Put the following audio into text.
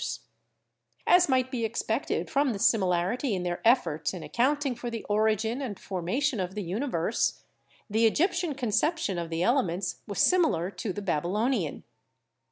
As might be expected from the similarity in their efforts in accounting for the origin and formation of the universe, the Egyptian conception of the elements was similar to the Babylonian.